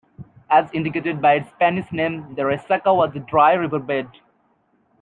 As indicated by its Spanish name, the resaca was a dry river bed.